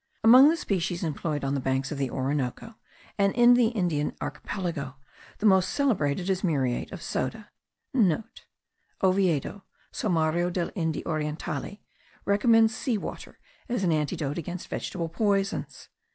Among the specifics employed on the banks of the Orinoco, and in the Indian Archipelago, the most celebrated is muriate of soda.* (* Oviedo, Sommario delle Indie Orientali, recommends sea water as an antidote against vegetable poisons.